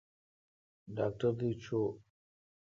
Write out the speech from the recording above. ڈاکٹر دی چو۔